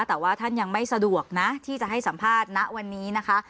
แต่ว่าท่านยังไม่สะดวกนะที่จะให้สัมภาษณ์ณวันนี้นะคะ